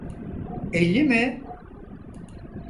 Elli mi?